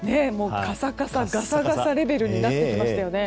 カサカサガサガサレベルになってきましたよね。